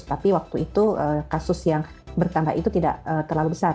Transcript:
tapi waktu itu kasus yang bertambah itu tidak terlalu besar